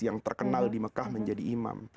yang terkenal di mekah menjadi imam